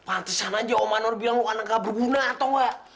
patusan aja om anwar bilang lo anak gak berguna atau nggak